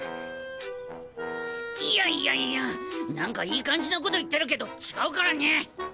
いやいやいや何かいい感じなこと言ってるけど違うからね！